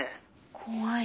怖い。